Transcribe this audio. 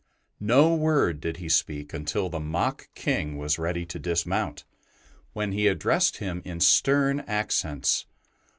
No word did he speak until the mock king was ready to dismount, when he addressed him in stern accents.